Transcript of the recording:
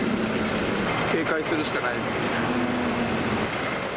警戒するしかないですね。